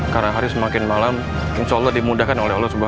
karena hari semakin malam insya allah dimudahkan oleh allah swt